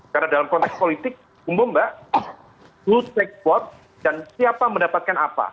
karena dalam konteks politik umpam mbak who take what dan siapa mendapatkan apa